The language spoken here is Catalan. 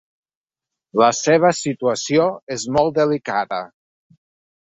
La seva situació és molt delicada.